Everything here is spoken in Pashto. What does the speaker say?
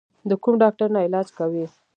د کوم ډاکټر نه علاج کوې؟